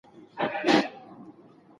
د ښځو ګډون ولسواکۍ ته وده ورکوي.